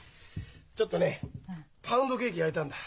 ちょっとねパウンドケーキ焼いたんだ。